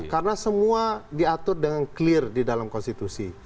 karena semua diatur dengan clear di dalam konstitusi